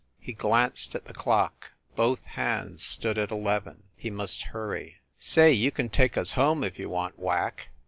He glanced at the clock. Both hands stood at eleven. He must hurry. "Say, you can take us home, if you want, Whack